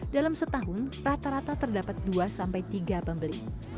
dalam setahun rata rata terdapat dua sampai tiga pembeli